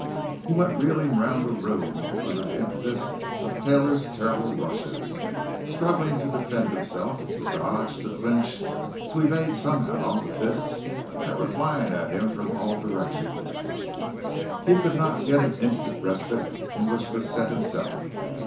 He went reeling around the room under the impetus of Taylor's terrible rushes, struggling to defend himself, to dodge, to clinch, to evade somehow the fists that were flying at him from all directions. He could not get an instant's respite in which to set himself.